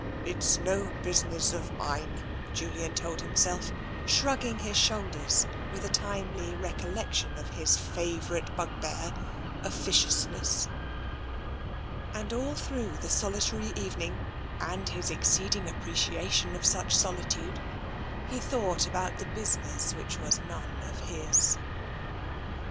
" It is no business of mine," Jul! in told himself, shrugging his shoulders with a timely recollection of his favourite bugbear, officiousness. And all through the solitary evening, and his exceeding appreciation of such solitude, he thought about the business which was none of his.